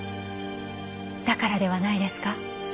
だからではないですか？